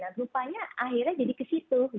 nah rupanya akhirnya jadi ke situ